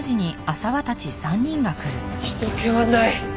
人けはない。